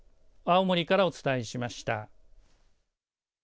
青森からお伝えしました。